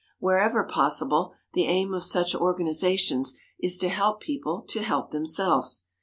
Wherever possible, the aim of such organizations is to help people to help themselves.